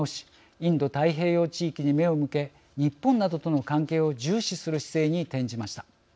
インド太平洋地域に目を向け日本などとの関係を重視する姿勢に転じました。